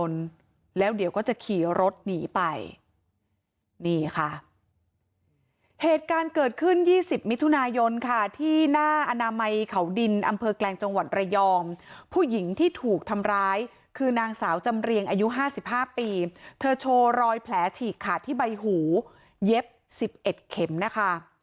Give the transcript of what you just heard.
เหตุการณ์เกิดขึ้น๒๐มิถุนายนค่ะที่หน้าอนามัยเขาดินอำเภอแกลงจังหวัดระยองผู้หญิงที่ถูกทำร้ายคือนางสาวจำเรียงอายุ๕๕ปีเธอโชว์รอยแผลฉีกขาดที่ใบหูเย็บ๑๑เข็มนะคะ